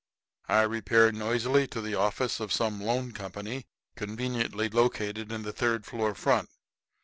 I repair noisily to the office of some loan company conveniently located in the third floor, front.